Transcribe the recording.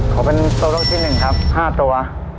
ขอเป็นตัวเลือกที่๑ครับ๕ตัว